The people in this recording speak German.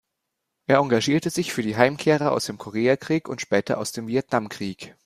Er engagierte sich für die Heimkehrer aus dem Koreakrieg und später aus dem Vietnamkrieg.